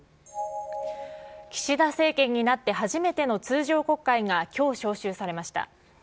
岸田政権になって初めての通常国会がきょう召集されました。